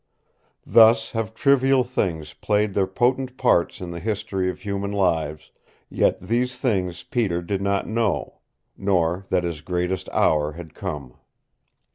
Thus have trivial things played their potent parts in the history of human lives, yet these things Peter did not know nor that his greatest hour had come.